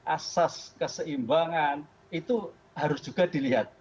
asas keseimbangan itu harus juga dilihat